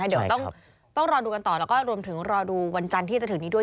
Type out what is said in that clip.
เดี๋ยวต้องรอดูกันต่อแล้วก็รวมถึงรอดูวันจันทร์ที่จะถึงนี้ด้วย